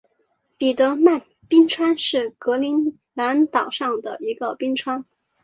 彼得曼冰川是格陵兰岛上的一个冰川。